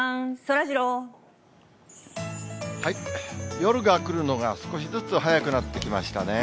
夜が来るのが少しずつ早くなってきましたね。